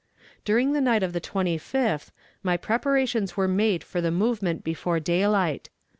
During the night of the 25th my preparations were made for the movement before daylight.